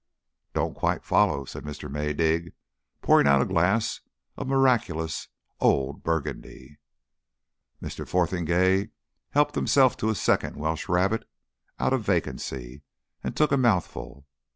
"Don't quite follow," said Mr. Maydig pouring out a glass of miraculous old Burgundy. Mr. Fotheringay helped himself to a second Welsh rarebit out of vacancy, and took a mouthful.